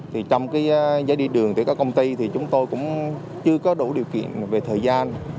trong giấy đi đường của các công ty thì chúng tôi cũng chưa có đủ điều kiện về thời gian